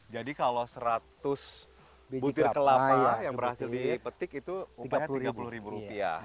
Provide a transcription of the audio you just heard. jadi kalau seratus butir kelapa yang berhasil dipetik itu upahnya tiga puluh ribu rupiah